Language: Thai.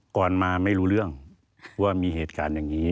ก่อนมาไม่รู้เรื่องว่ามีเหตุการณ์อย่างนี้